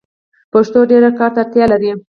پښتو ډير کار ته اړتیا لري.